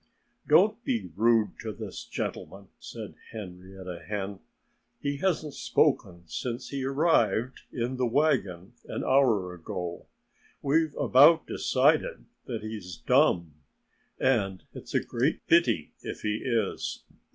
"Don't be rude to this gentleman," said Henrietta Hen. "He hasn't spoken since he arrived in the wagon an hour ago. We've about decided that he is dumb. And it's a great pity if he is.